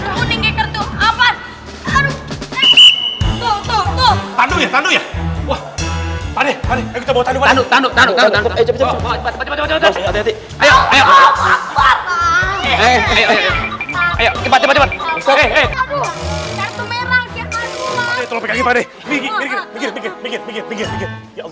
oh gini mereka